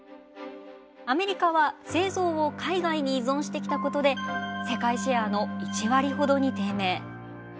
アメリカは製造を海外に依存してきたことで世界シェアの１割ほどに低迷。